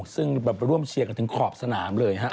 ซึ่งร่วมเชียร์กันถึงขอบสนามเลยฮะ